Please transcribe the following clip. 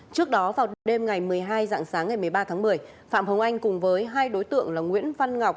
trước đó vào đêm ngày một mươi hai dạng sáng ngày một mươi ba tháng một mươi phạm hồng anh cùng với hai đối tượng là nguyễn văn ngọc